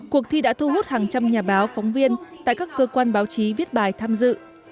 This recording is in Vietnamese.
cuộc thi đã thu hút hàng trăm nhà báo phóng viên tại các cơ quan báo chí viết bài tham dự